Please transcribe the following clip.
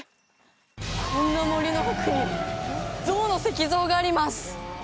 こんな森の奥に象の石像があります